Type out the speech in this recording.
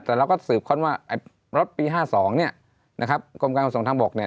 แต่เราก็สืบค้นว่าไอ้รถปี๕๒เนี่ยนะครับกรมการขนส่งทางบกเนี่ย